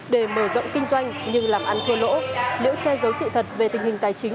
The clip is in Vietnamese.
để mở rộng kinh doanh nhưng làm ăn thua lỗ nếu che giấu sự thật về tình hình tài chính